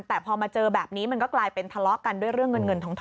แต่พอมาเจอแบบนี้มันก็กลายเป็นทะเลาะกันด้วยเรื่องเงินเงินทอง